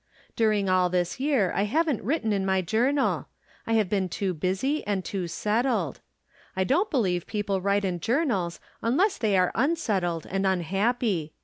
During all tliis year I haven't written in my Journal ; I have been too busy and too set tled. I don't believe people write in jour nals unless they are unsettled and unhappy.